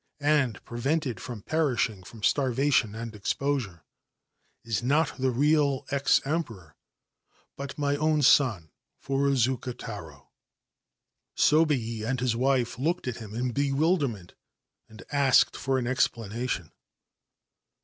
and prevented from perishing from starvation and exposu \ is not the real ex Emperor, but my own son Furuzu [Taro J ' Sobei and his wife looked at him in bewilderment, a asked for an explanation.